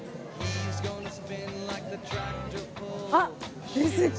あっ！